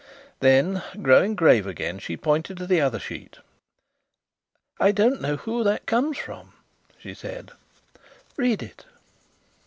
Then, growing grave again, she pointed to the other sheet. "I don't know who that comes from," she said. "Read it."